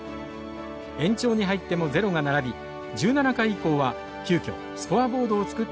延長に入ってもゼロが並び１７回以降は急きょスコアボードを作って表示しました。